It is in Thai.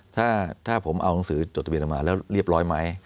ถ้าผมเอาหนังสือจดทะเบียนออกมาแล้วเรียบร้อยไหม